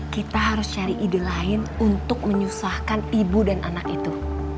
kita harus cari ide lain untuk menyusahkan ibu dan anak itu